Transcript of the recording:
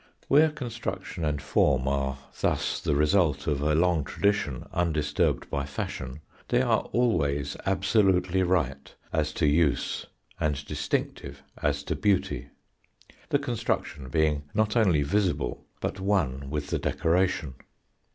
Where construction and form are thus the result of a long tradition undisturbed by fashion, they are always absolutely right as to use and distinctive as to beauty, the construction being not only visible, but one with the decoration.